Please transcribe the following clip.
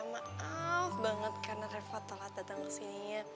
maaf banget karena reva telat datang kesini ya